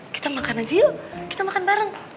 kita makan aja yuk kita makan bareng